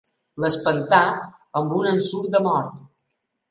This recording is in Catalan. L'espantà amb un ensurt de mort.